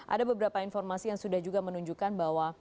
ada beberapa informasi yang sudah juga menunjukkan bahwa